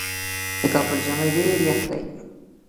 د کابل ژمی ډیر یخ دی